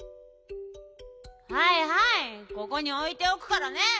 はいはいここにおいておくからね。